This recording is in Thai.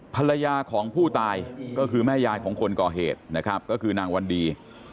ภรรยาของผู้ตายก็คือแม่ยายของคนก่อเหตุนะครับก็คือนางวันดี